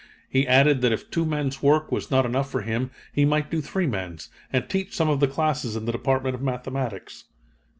He added that if two men's work was not enough for him, he might do three men's, and teach some of the classes in the Department of Mathematics.